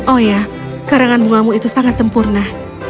oh ya karangan bungamu itu sangat sempurna